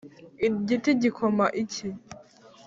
igiti gikoma iki!